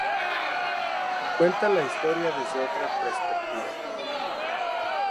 Cuentan la historia desde otra perspectiva.